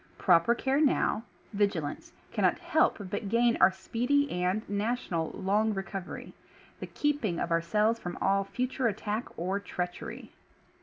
Proper care now, vig ilance, cannot help but gain our speedy and national long recovery — the keeping of ourselves from all future attack or treachery.